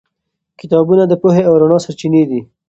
کتابونه د پوهې او رڼا سرچینې دي.